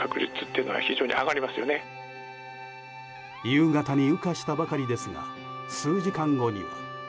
夕方に羽化したばかりですが数時間後には。